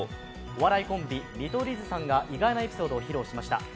お笑いコンビ・見取り図さんが意外なエピソードを披露しました。